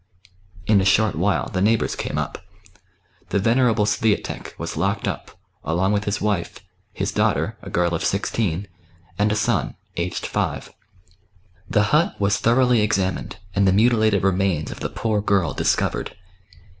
In a short while the neighbours came up. The venerable Swiatek was locked up, along with his wife, Ids daughter — a girl of sixteen — and a son, aged five. The hut was thoroughly examined, and the mutilated remains of the poor girl discovered.